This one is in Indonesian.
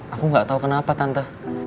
aku gak tahu kenapa tante